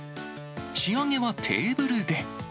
仕上げはテーブルで。